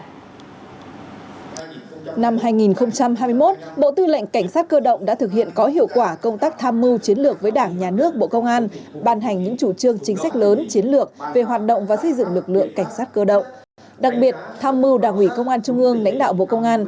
năm hai nghìn hai mươi một bộ tư lệnh cảnh sát cơ động đã thực hiện có hiệu quả công tác tham mưu chiến lược với đảng nhà nước bộ công an bàn hành những chủ trương chính sách lớn chiến lược về hoạt động và xây dựng lực lượng cảnh sát cơ động